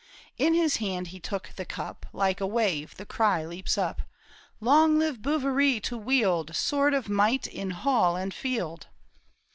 In his hand he took the cup — Like a wave the cry leaps up —" Long live Bouverie to wield Sword of might in hall and field